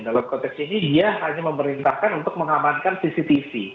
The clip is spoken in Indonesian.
dalam konteks ini dia hanya memerintahkan untuk mengamankan cctv